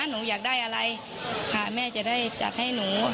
หนูอยากได้อะไรค่ะแม่จะได้จัดให้หนู